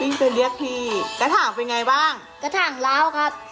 ไปเรียกพี่กระถางเป็นไงบ้างกระถ่างล้าวครับ